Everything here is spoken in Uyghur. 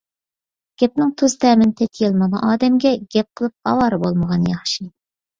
گەپنىڭ تۇز تەمىنى تېتىيالمايدىغان ئادەمگە گەپ قىلىپ ئاۋارە بولمىغان ياخشى.